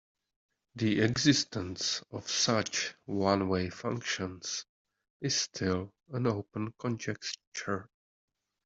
The existence of such one-way functions is still an open conjecture.